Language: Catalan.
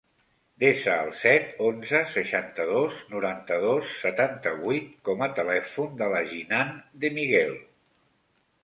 Desa el set, onze, seixanta-dos, noranta-dos, setanta-vuit com a telèfon de la Jinan De Miguel.